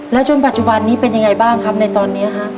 จนปัจจุบันนี้เป็นยังไงบ้างครับในตอนนี้ฮะ